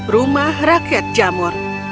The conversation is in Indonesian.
rumah rakyat jamur